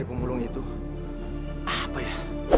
pembunuh itu apa ya